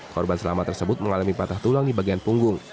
korban selamat tersebut mengalami patah tulang di bagian punggung